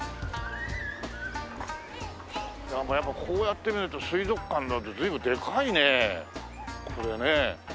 ああもうやっぱこうやって見ると水族館随分でかいねこれね。